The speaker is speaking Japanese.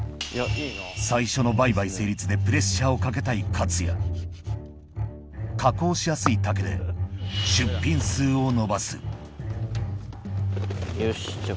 最初の売買成立でプレッシャーをかけたいＫＡＴＳＵＹＡ加工しやすい竹で出品数を伸ばすよしじゃあ